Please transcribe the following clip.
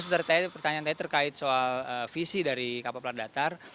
pertanyaan tadi terkait soal visi dari kapal plat datar